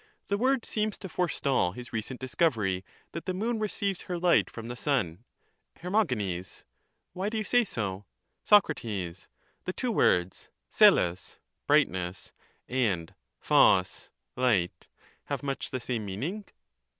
The word seems to forestall his recent discovery, that the moon receives her light from the sun. Her. Why do you say so? Soc. The two words oeXa^ (brightness) and 0dJf (light) have much the same meaning?